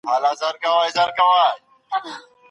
کمپيوټر د کلتور مرسته کوي.